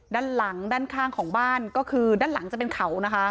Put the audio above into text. ด้านหลังด้านข้างของบ้านก็คือด้านหลังจะเป็นเขานะคะ